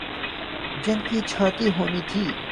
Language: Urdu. جن کی چھٹی ہونی تھی۔